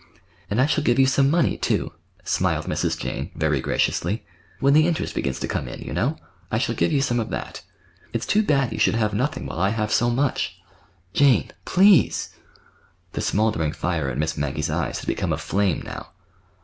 "And I shall give you some money, too," smiled Mrs. Jane, very graciously,—"when the interest begins to come in, you know. I shall give you some of that. It's too bad you should have nothing while I have so much." "Jane, please!" The smouldering fire in Miss Maggie's eyes had become a flame now.